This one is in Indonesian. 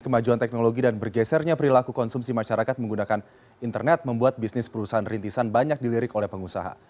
kemajuan teknologi dan bergesernya perilaku konsumsi masyarakat menggunakan internet membuat bisnis perusahaan rintisan banyak dilirik oleh pengusaha